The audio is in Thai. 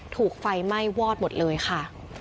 ถูกไฟไหม้วอดหมดเลยค่ะ